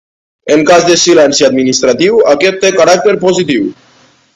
En cas de silenci administratiu, aquest té caràcter positiu.